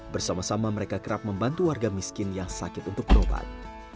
bersama sama mereka kerap membantu warga miskin yang sakit untuk berobat